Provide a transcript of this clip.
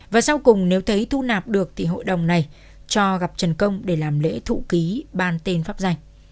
và sau cùng nếu thấy thu nạp được thì hội đồng này cho gặp trần công để làm lễ thụ ký ban tên pháp danh